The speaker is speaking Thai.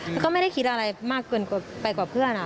แล้วก็ไม่ได้คิดอะไรมากเกินไปกว่าเพื่อน